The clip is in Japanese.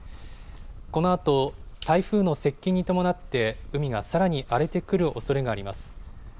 このあと台風の接近に伴って海がさらに荒れてくるおそれがあります。